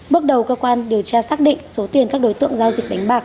bước đầu cơ quan điều tra xác định số tiền các đối tượng giao dịch đánh bạc